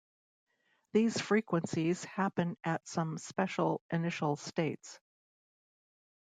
These frequencies happen at some special initial states.